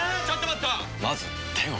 ちょっと待った！